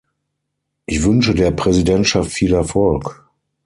Ich wünsche der Präsidentschaft viel Erfolg.